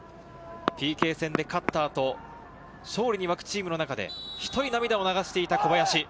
ＰＫ戦で勝った後、勝利に沸くチームの中で１人涙を流していた小林。